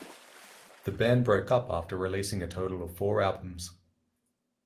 The band broke up after releasing a total of four albums.